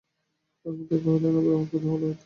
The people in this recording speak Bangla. রাজপুত্র কহিল, না ভাই, আমার কৌতূহল হইতেছে।